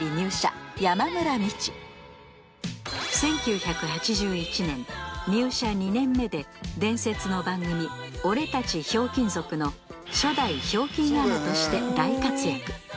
１９８１年入社２年目で伝説の番組「オレたちひょうきん族」の初代ひょうきんアナとして大活躍